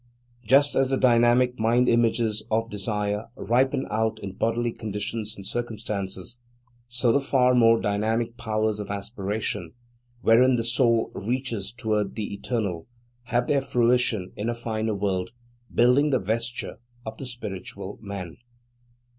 Just as the dynamic mind images of desire ripen out in bodily conditions and circumstances, so the far more dynamic powers of aspiration, wherein the soul reaches toward the Eternal, have their fruition in a finer world, building the vesture of the spiritual man.